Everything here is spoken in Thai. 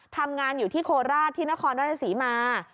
ทำงานอยู่ที่โคราชที่นครราชศรีมา